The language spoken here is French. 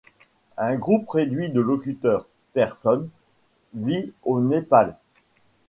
Un groupe réduit de locuteurs, personnes, vit au Népal.